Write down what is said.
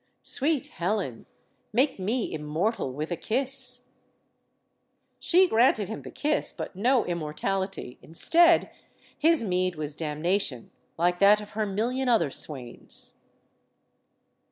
Sweet Helen, make me immortal with a kiss I" HELEN OF TROY 87 She granted him the kiss, but no immortality; in stead, his meed was damnation, like that of her million other swains.